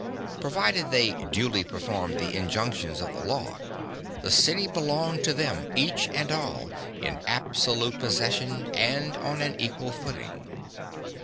Provided they duly performed the injunctions of the law, the city belonged to them, each and all, in absolute possession and on an equal footing.